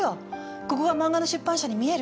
ここが漫画の出版社に見える？